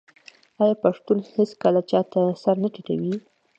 آیا پښتون هیڅکله چا ته سر نه ټیټوي؟